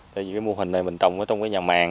tại vì cái mô hình này mình trồng ở trong cái nhà màng